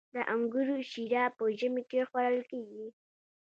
د انګورو شیره په ژمي کې خوړل کیږي.